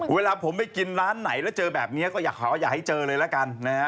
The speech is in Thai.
เวลาผมไปกินร้านไหนแล้วเจอแบบนี้ก็อยากให้เจอเลยละกันนะฮะ